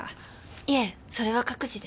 いえそれは各自で。